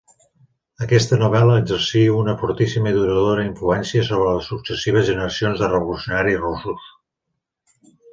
Aquesta novel·la exercí una fortíssima i duradora influència sobre les successives generacions de revolucionaris russos.